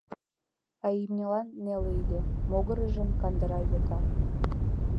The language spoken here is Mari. А имньылан неле лие: могыржым кандыра йыга.